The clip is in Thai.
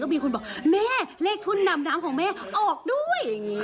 มีคนบอกแม่เลขทุ่นนำน้ำของแม่ออกด้วย